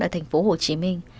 ở thành phố hồ chí minh